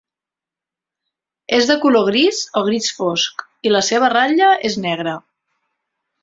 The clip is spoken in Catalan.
És de color gris o gris fosc, i la seva ratlla és negra.